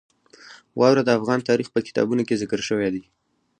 واوره د افغان تاریخ په کتابونو کې ذکر شوی دي.